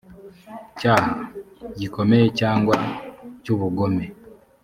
cyaha gikomeye cyangwa cy ubugome